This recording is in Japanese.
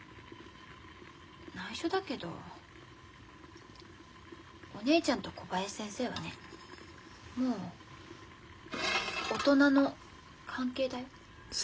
ないしょだけどお姉ちゃんと小林先生はねもう大人の関係だよ。